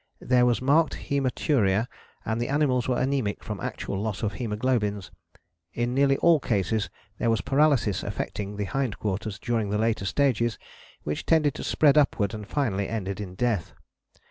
There was marked haematuria, and the animals were anaemic from actual loss of haemoglobins. In nearly all cases there was paralysis affecting the hindquarters during the later stages, which tended to spread upwards and finally ended in death.